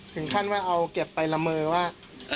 ถึงขั้นว่าเอาเก็บไปละเมอว่า